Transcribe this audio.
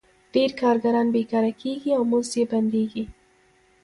ډېر کارګران بېکاره کېږي او مزد یې بندېږي